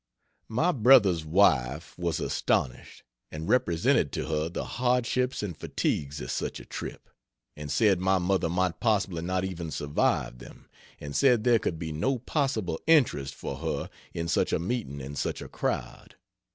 My brother's wife was astonished; and represented to her the hardships and fatigues of such a trip, and said my mother might possibly not even survive them; and said there could be no possible interest for her in such a meeting and such a crowd.